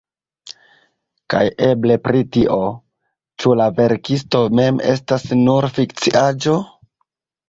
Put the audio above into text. Kaj eble pri tio, ĉu la verkisto mem estas nur fikciaĵo?